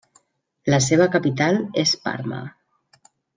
La seva capital és Parma.